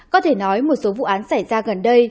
có thể nói một số vụ án xảy ra gần đây